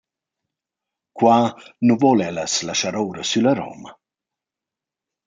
Qua nu voul el as laschar oura sülla romma.